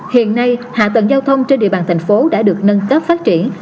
hiện nay hạ tầng giao thông trên địa bàn thành phố đã được nâng cấp phát triển